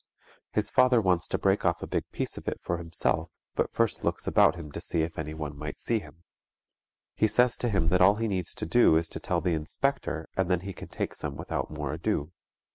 His father wants to break off a big piece of it for himself but first looks about him to see if anyone might see him. He says to him that all he needs to do is to tell the inspector and then he can take some without more ado.